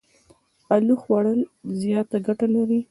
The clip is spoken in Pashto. الو خوړ ل زياته ګټه لري.